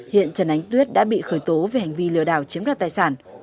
hiện trần ánh tuyết đã bị khởi tố về hành vi lừa đảo chiếm đoạt tài sản